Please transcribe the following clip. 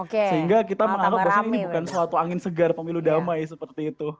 sehingga kita menganggap bahwa ini bukan suatu angin segar pemilu damai seperti itu